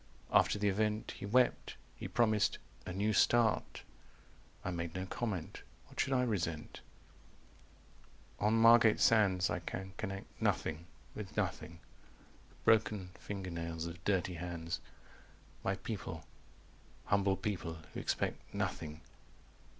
After the event He wept. He promised 'a new start.' I made no comment. What should I resent?" "On Margate Sands. 300 I can connect Nothing with nothing. The broken finger nails of dirty hands. My people humble people who expect Nothing."